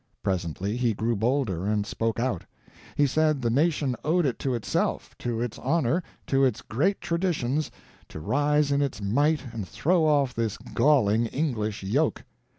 Presently he grew bolder, and spoke out. He said the nation owed it to itself, to its honor, to its great traditions, to rise in its might and throw off "this galling English yoke."